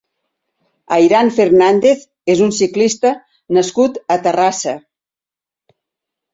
Airán Fernández és un ciclista nascut a Terrassa.